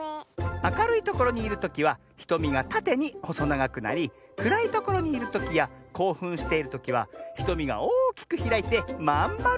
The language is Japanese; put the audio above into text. あかるいところにいるときはひとみがたてにほそながくなりくらいところにいるときやこうふんしているときはひとみがおおきくひらいてまんまるになるのミズ！